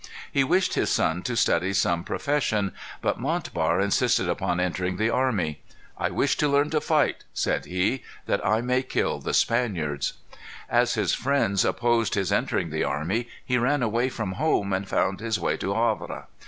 He wished his son to study some profession. But Montbar insisted upon entering the army. "I wish to learn to fight," said he, "that I may kill the Spaniards." As his friends opposed his entering the army, he ran away from home, and found his way to Havre.